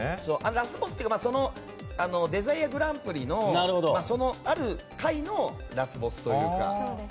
ラスボスというかデザイアグランプリのその、ある回のラスボスというか。